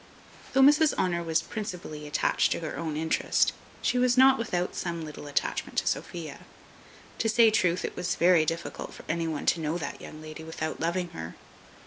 Though Mrs Honour was principally attached to her own interest, she was not without some little attachment to Sophia. To say truth, it was very difficult for any one to know that young lady without loving her.